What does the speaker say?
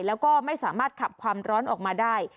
แล้วก็ไม่สามารถขับความร้อนออกมาได้